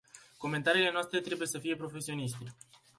Comentariile noastre trebuie să fie profesioniste.